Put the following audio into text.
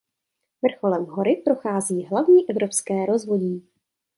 Vrcholem hory prochází Hlavní evropské rozvodí.